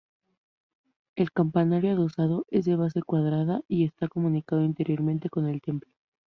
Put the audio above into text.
El campanario adosado es de base cuadrada y está comunicado interiormente con el templo.